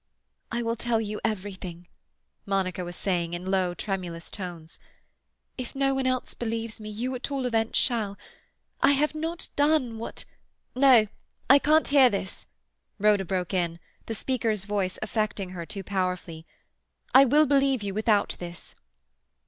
"I will tell you everything," Monica was saying in low, tremulous tones. "If no one else believes me, you at all events shall. I have not done what—" "No—I can't hear this," Rhoda broke in, the speaker's voice affecting her too powerfully. "I will believe you without this."